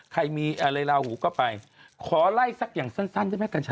ใครมีอะไรลาหูก็ไปขอไล่สักอย่างสั้นได้ไหมกัญชา